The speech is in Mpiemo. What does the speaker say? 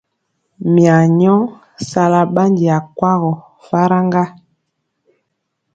Mya nyɔ sala ɓandi akwagɔ falk ŋga.